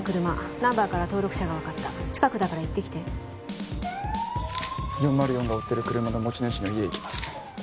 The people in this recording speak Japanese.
車ナンバーから登録車が分かった近くだから行ってきて４０４が追ってる車の持ち主の家行きます